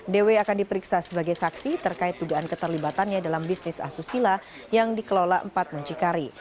dw akan diperiksa sebagai saksi terkait tugaan keterlibatannya dalam bisnis asusila yang dikelola empat muncikari